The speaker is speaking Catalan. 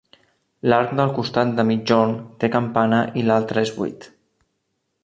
L'arc del costat de migjorn té campana i l'altre és buit.